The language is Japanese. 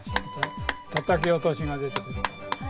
たたき落としが出てくるから。